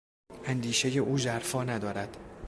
اندیشهی او ژرفا ندارد.